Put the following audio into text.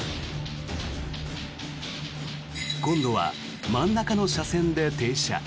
今度は真ん中の車線で停車。